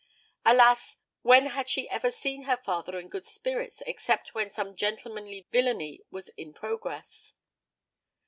Alas! when had she ever seen her father in good spirits, except when some gentlemanly villany was in progress?